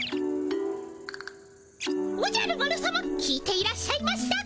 おじゃる丸さま聞いていらっしゃいましたか？